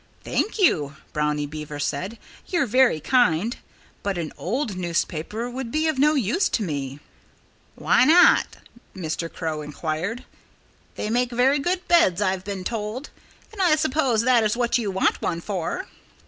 "Thank you!" Brownie Beaver said. "You're very kind. But an old newspaper would be of no use to me." "Why not?" Mr. Crow inquired. "They make very good beds, I've been told. And I suppose that is what you want one for."